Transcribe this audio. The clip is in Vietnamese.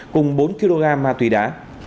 cùng bốn kg ma túy đá